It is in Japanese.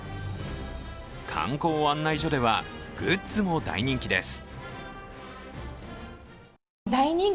観光案内所ではグッズも大人気です。